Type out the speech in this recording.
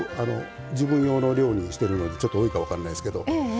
自分用の料理にしてるので多いか分からないですけど。